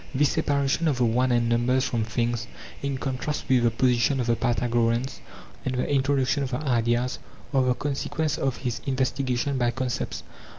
This separation of the one and numbers from things, in contrast with the position of the Pythagoreans, and the introduction of ideas, are the consequence of his investigation by concepts.